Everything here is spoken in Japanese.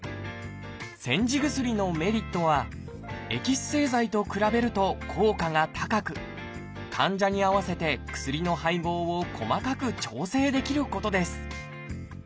煎じ薬のメリットはエキス製剤と比べると効果が高く患者に合わせて薬の配合を細かく調整できることです。